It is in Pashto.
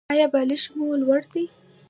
ایا بالښت مو لوړ دی؟